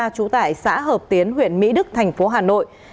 trú tại xã hợp tiến huyện mỹ đức thành phố hà nội